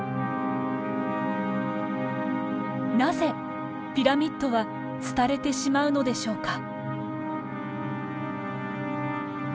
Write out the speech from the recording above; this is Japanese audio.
なぜピラミッドは廃れてしまうのでしょうか？